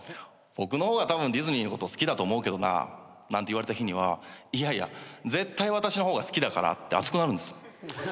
僕の方がたぶんディズニーのこと好きだと思うけどな。なんて言われた日には「いやいや絶対私の方が好きだから」って熱くなるんです。